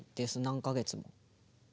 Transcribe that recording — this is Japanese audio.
何か月も。